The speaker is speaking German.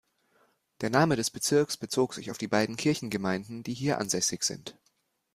Der Name des Bezirks bezog sich auf die beiden Kirchengemeinden, die hier ansässig sind.